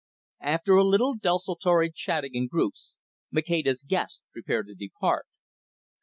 After a little desultory chatting in groups, Maceda's guests prepared to depart.